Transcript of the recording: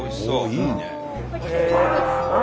いいね。